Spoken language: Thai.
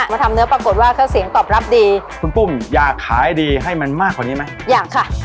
มาทำเนื้อปรากฏว่าถ้าเสียงตอบรับดีคุณปุ้มอยากขายดีให้มันมากกว่านี้ไหมอยากค่ะ